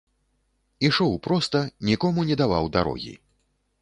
Ішоў проста, нікому не даваў дарогі.